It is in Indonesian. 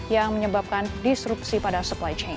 yang menyebabkan disrupsi pada supply chain